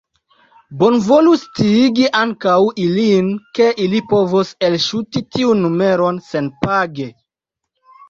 Bonvolu sciigi ankaŭ ilin, ke ili povos elŝuti tiun numeron senpage.